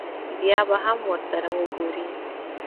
بیا به هم ورسره وګوري.